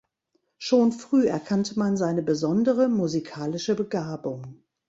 Schon früh erkannte man seine besondere musikalische Begabung.